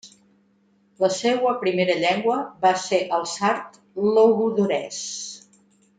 La seua primera llengua va ser el sard logudorès.